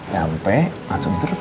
sampai langsung terima